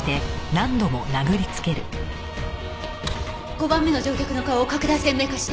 ５番目の乗客の顔を拡大鮮明化して。